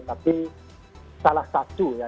tapi salah satu ya